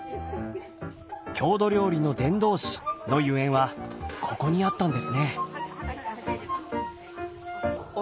郷土料理の伝道師のゆえんはここにあったんですね。